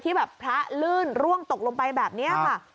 ที่แบบถละลื่นร่วงตกลงไปแบบเนี่ยค่ะ